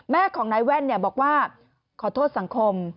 แม่ของนายแว่นบอกว่าขอโทษสังคม